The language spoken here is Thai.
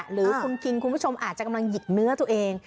หรือคุณคิงคุณผู้ชมอาจจะกำลังหยิกเนื้อตัวเอง